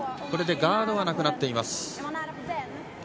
これでガードはなくなっています。